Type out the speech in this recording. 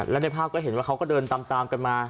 และในภาพก็เห็นว่าเขาก็เดินตามกันมา